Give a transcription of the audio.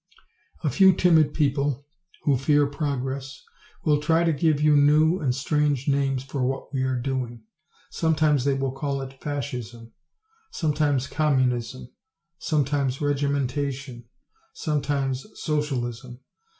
A few timid people, who fear progress, will try to give you new and strange names for what we are doing. Sometimes they will call it "Fascism", sometimes "Communism", sometimes "Regimentation", sometimes "Socialism".